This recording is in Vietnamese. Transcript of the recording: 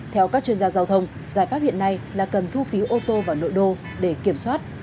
theo các chuyên gia giao thông giải pháp hiện nay là cần thu phí ô tô vào nội đô để kiểm soát